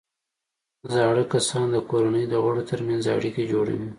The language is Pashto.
زاړه کسان د کورنۍ د غړو ترمنځ اړیکې جوړوي